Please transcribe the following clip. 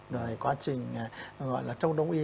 rồi quá trình gọi là trong đống y